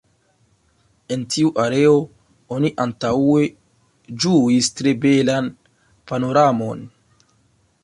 El tiu areo oni antaŭe ĝuis tre belan panoramon.